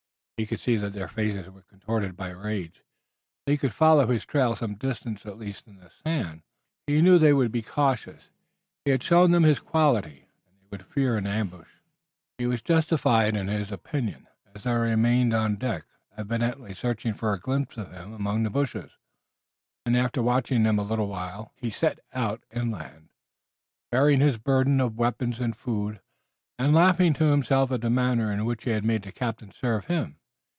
He could see that their faces were contorted by rage. They could follow his trail some distance at least in the sand, but he knew that they would be cautious. He had shown them his quality and they would fear an ambush. He was justified in his opinion, as they remained on the deck, evidently searching for a glimpse of him among the bushes, and, after watching them a little while, he set out inland, bearing his burden of weapons and food, and laughing to himself at the manner in which he had made the captain serve him.